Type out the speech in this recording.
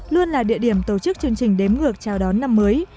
luôn là địa điểm tổ chức chương trình đếm ngược chào đón năm mới